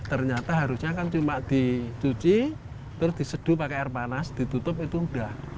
ternyata harusnya kan cuma dicuci terus diseduh pakai air panas ditutup itu udah